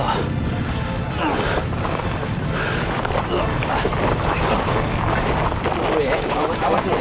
awas awas lu ya